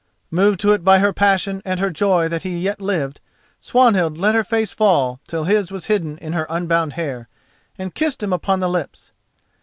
Moved to it by her passion and her joy that he yet lived, Swanhild let her face fall till his was hidden in her unbound hair, and kissed him upon the lips.